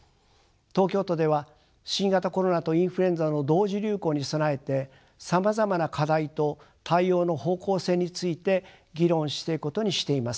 東京都では新型コロナとインフルエンザの同時流行に備えてさまざまな課題と対応の方向性について議論していくことにしています。